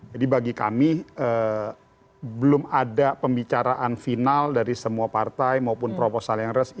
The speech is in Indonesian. jadi bagi kami belum ada pembicaraan final dari semua partai maupun proposal yang resmi